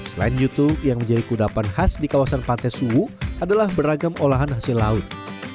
selain yutu yang menjadi kudapan khas di kawasan pantai suwu adalah beragam olahan hasil laut